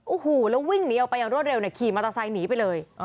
โอ้โหแล้ววิ่งหนีออกไปอย่างรวดเร็วเนี่ยขี่มอเตอร์ไซค์หนีไปเลย